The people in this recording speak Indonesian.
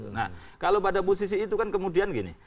nah kalau pada posisi itu kan kemudian gini